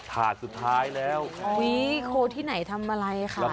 ถาดสุดท้ายแล้วอุ้ยโคที่ไหนทำอะไรคะ